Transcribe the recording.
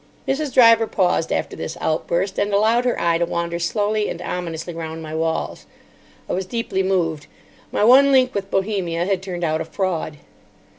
Mrs. Driver paused after this outburst, and allowed her eye to wander slowly and ominously round my walls. I was deeply moved. My one link with Bohemia had turned out a fraud.